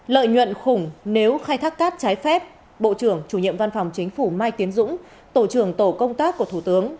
lợi nhuận khủng nếu khai thác cát trái phép bộ trưởng chủ nhiệm văn phòng chính phủ mai tiến dũng tổ trưởng tổ công tác của thủ tướng